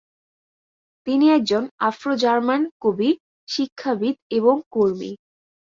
তিনি একজন আফ্রো-জার্মান কবি, শিক্ষাবিদ এবং কর্মী।